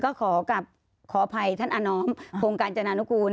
ก็ขออภัยท่านออโครงการจนานคูล